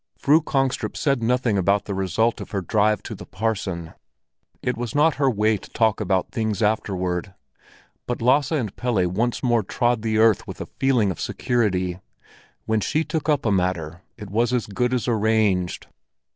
Fru Kongstrup said nothing about the result of her drive to the parson; it was not her way to talk about things afterward. But Lasse and Pelle once more trod the earth with a feeling of security; when she took up a matter, it was as good as arranged.